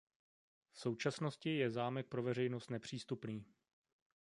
V současnosti je zámek pro veřejnost nepřístupný.